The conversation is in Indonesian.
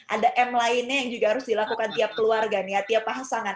ada m lainnya yang juga harus dilakukan tiap keluarga nih ya tiap pasangan